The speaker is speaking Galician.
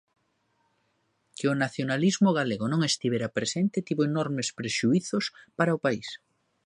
Que o nacionalismo galego non estivera presente tivo enormes prexuízos para o país.